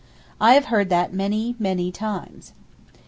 I have heard that, many, many times.